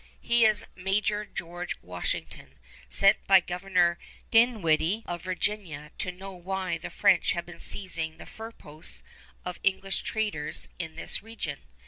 He is Major George Washington, sent by Governor Dinwiddie of Virginia to know why the French have been seizing the fur posts of English traders in this region.